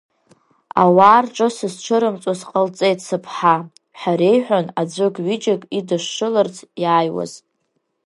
Ауаа рҿы сызцәырмҵуа сҟалҵеит сыԥҳа, ҳәа реиҳәон, аӡәык-ҩыџьак идышшыларц иааиуаз.